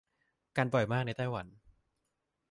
กันบ่อยมากในไต้หวัน